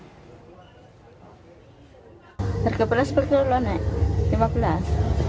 harga beras berkelulah naik lima belas